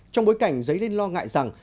trong bối cảnh giấy lên lo ngại rằng